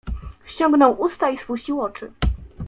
"Ściągnął usta i spuścił oczy."